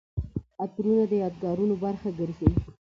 عطرونه د یادګارونو برخه ګرځي.